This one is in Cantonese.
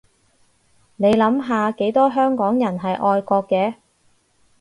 你諗下幾多香港人係愛國嘅